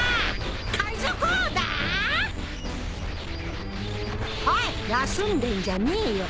海賊王だぁ！？おい休んでんじゃねえよ。